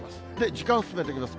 時間進めていきます。